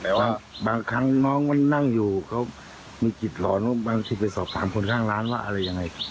แต่ว่าบางครั้งน้องมันนั่งอยู่เขามีจิตหลอนว่าบางทีไปสอบถามคนข้างร้านว่าอะไรยังไง